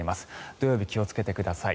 土曜日、気をつけてください。